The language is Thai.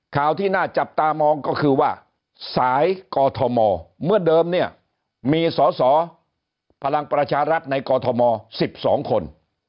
ข่าวที่น่าจับตามองก็คือว่าสายกอทมเมื่อเดิมเนี่ยมีสอสอพลังประชารัฐในกอทม๑๒คน